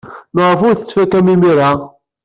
Maɣef ur t-tettfakam imir-a?